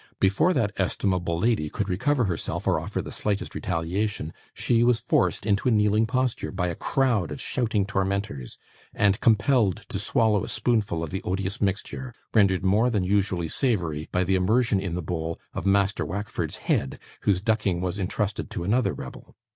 Before that estimable lady could recover herself, or offer the slightest retaliation, she was forced into a kneeling posture by a crowd of shouting tormentors, and compelled to swallow a spoonful of the odious mixture, rendered more than usually savoury by the immersion in the bowl of Master Wackford's head, whose ducking was intrusted to another rebel.